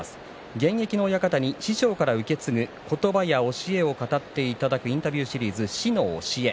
現役の親方に師匠から受け継ぐ言葉や教えを語っていただくインタビューシリーズ「師の教え」。